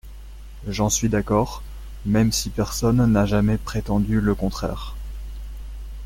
J’en suis d’accord, même si personne n’a jamais prétendu le contraire.